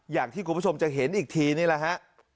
อย่างที่คุณผู้ชมจะเห็นอีกทีนี่แหละฮะ